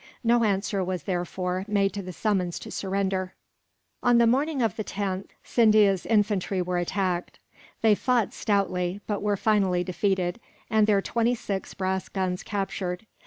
No answer was, therefore, made to the summons to surrender. On the morning of the 10th, Scindia's infantry were attacked. They fought stoutly, but were finally defeated, and their twenty six brass guns captured.